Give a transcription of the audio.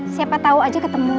siapa tau aja ketemu